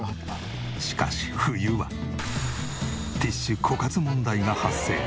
しかし冬はティッシュ枯渇問題が発生。